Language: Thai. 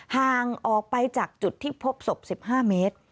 ห่างออกไปจากจุดที่พบศพ๑๕เมตร